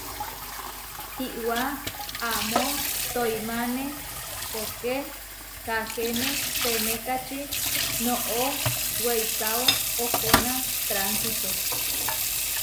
Iʼwá amó toimáne poké Kahéme senékači noʼó weikáo ohóna tránsito.